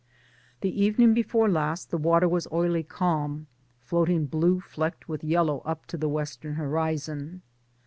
The evening before last the water was oily calm, floating blue flecked with yellow up to the western horizon.